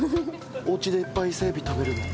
おうちでいっぱい伊勢エビ食べるの？